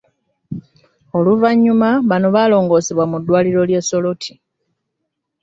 Oluvannyuma bano baalongoosebwa mu ddwaliro ly'e Soroti.